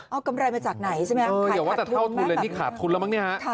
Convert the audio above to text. เอากำไรมาจากไหนใช่ไหมอย่าว่าแต่เท่าทุนเลยนี่ขาดทุนแล้วมั้งเนี่ยฮะ